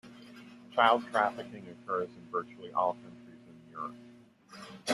Child trafficking occurs in virtually all countries in Europe.